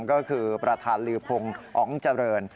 ก็คือประธานลือพงศ์อ๋องเจริญ